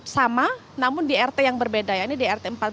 sama namun di rt yang berbeda ya ini di rt empat belas